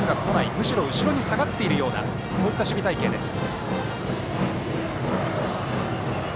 むしろ後ろに下がっているようなそういった守備隊形です。